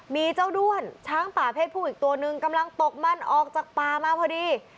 มีเจ้าด้วนช้างป่าเพศผู้อีกตัวนึงกำลังตกมันออกจากป่ามาพอดี